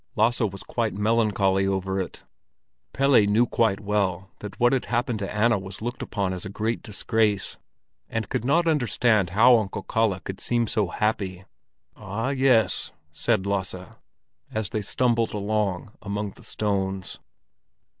Lasse was quite melancholy over it. Pelle knew quite well that what had happened to Anna was looked upon as a great disgrace, and could not understand how Uncle Kalle could seem so happy. "Ah, yes," said Lasse, as they stumbled along among the stones.